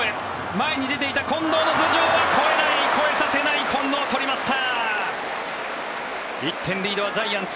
前に出ていた近藤の頭上は越えない越えさせない近藤、とりました！